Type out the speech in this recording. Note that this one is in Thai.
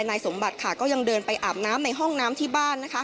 นายสมบัติก็ยังเดินไปอาบน้ำในห้องน้ำที่บ้าน